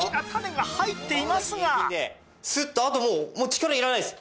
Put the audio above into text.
スッとあともうもう力いらないです。